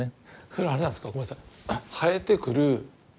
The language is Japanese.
それはあれなんですかごめんなさい生えてくる。